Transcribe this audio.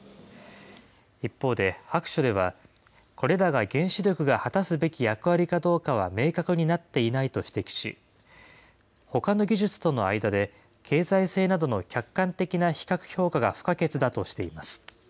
一方で、白書では、これらが原子力が果たすべき役割かどうかは明確になっていないと指摘し、ほかの技術との間で経済性などの客観的な比較評価が不可欠だとしています。